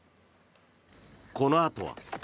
このあとは。